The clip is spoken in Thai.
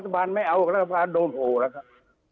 รัฐบาลไม่เอารัฐบาลโดนโหลล่ะครับ